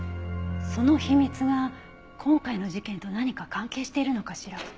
その秘密が今回の事件と何か関係しているのかしら。